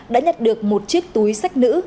đã nhặt được một chiếc túi sách nữ